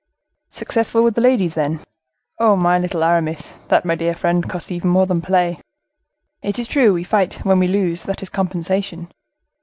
"Successful with the ladies, then?—Oh! my little Aramis! That, my dear friend, costs even more than play. It is true we fight when we lose; that is a compensation.